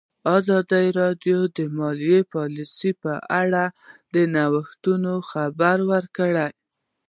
ازادي راډیو د مالي پالیسي په اړه د نوښتونو خبر ورکړی.